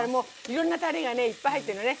いろんなたれがねいっぱい入ってんのね。